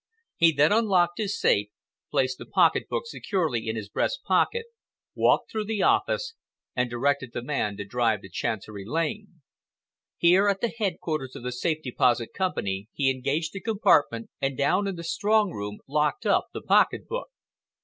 He then unlocked his safe, placed the pocket book securely in his breast pocket, walked through the office, and directed the man to drive to Chancery Lane. Here at the headquarters of the Safe Deposit Company he engaged a compartment, and down in the strong room locked up the pocket book.